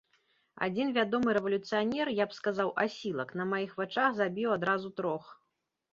Адзін вядомы рэвалюцыянер, я б сказаў асілак, на маіх вачах забіў адразу трох.